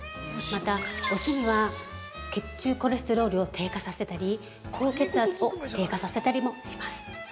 また、お酢には血中コレステロールを低下させたり高血圧を低下させたりもします。